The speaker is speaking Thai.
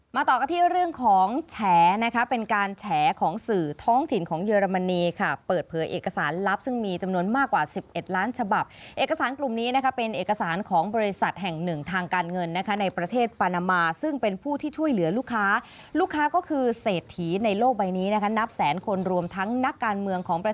ต่อกันที่เรื่องของแฉนะคะเป็นการแฉของสื่อท้องถิ่นของเยอรมนีค่ะเปิดเผยเอกสารลับซึ่งมีจำนวนมากกว่า๑๑ล้านฉบับเอกสารกลุ่มนี้นะคะเป็นเอกสารของบริษัทแห่งหนึ่งทางการเงินนะคะในประเทศปานามาซึ่งเป็นผู้ที่ช่วยเหลือลูกค้าลูกค้าก็คือเศรษฐีในโลกใบนี้นะคะนับแสนคนรวมทั้งนักการเมืองของประ